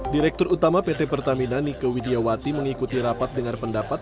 direktur utama pt pertamina nike widiawati mengikuti rapat dengar pendapat